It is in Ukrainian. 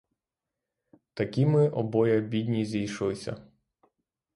Такі ми обоє бідні зійшлися.